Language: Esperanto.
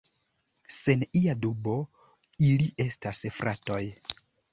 Sen ia dubo, ili estas fratoj!